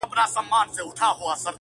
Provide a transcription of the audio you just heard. خو نه څانګه په دنیا کي میندل کېږي-